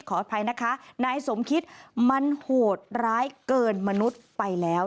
ขออภัยนะคะนายสมคิดมันโหดร้ายเกินมนุษย์ไปแล้ว